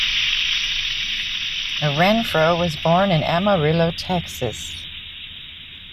Renfroe was born in Amarillo, Texas.